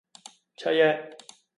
七億